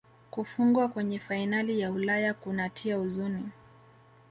kufungwa kwenye fainali ya ulaya kunatia uzuni